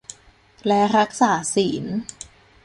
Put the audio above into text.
และรักษาศีล